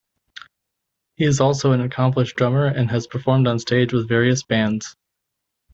He is also an accomplished drummer and has performed on stage with various bands.